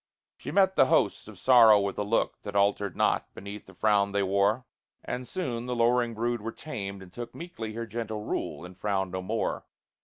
She met the hosts of Sorrow with a look That altered not beneath the frown they wore, And soon the lowering brood were tamed, and took Meekly her gentle rule, and frowned no more.